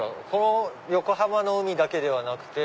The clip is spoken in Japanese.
横浜の海だけではなくて？